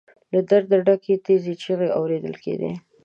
له درده ډکې تېرې چيغې اورېدل کېدې.